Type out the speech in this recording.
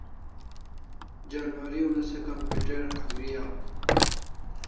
Janwari una se computer agre aw